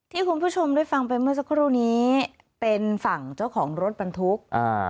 ที่คุณผู้ชมได้ฟังไปเมื่อสักครู่นี้เป็นฝั่งเจ้าของรถบรรทุกอ่า